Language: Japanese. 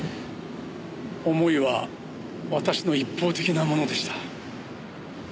思いは私の一方的なものでした。